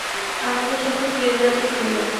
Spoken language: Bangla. আমাদের সাথে তীরবাজি খেলো।